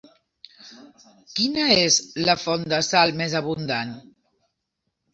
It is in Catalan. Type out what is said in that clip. Quina és la font de sal més abundant?